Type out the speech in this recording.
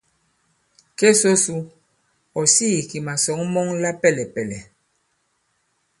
Ke so su , ɔ̀ sīī kì màsɔ̌ŋ mɔŋ la pɛlɛ̀pɛ̀lɛ̀.